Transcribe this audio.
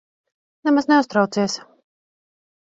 Nemaz neuztraucies.